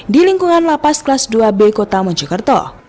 di lingkungan lapas kelas dua b kota mojokerto